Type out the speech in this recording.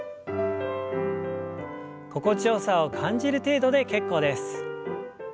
心地よさを感じる程度で結構です。